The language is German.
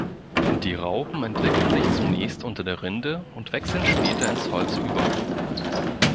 Die Raupen entwickeln sich zunächst unter der Rinde und wechseln später ins Holz über.